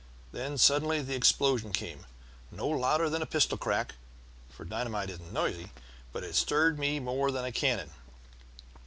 Then suddenly the explosion came no louder than a pistol crack, for dynamite isn't noisy, but it stirred me more than a cannon.